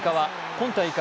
今大会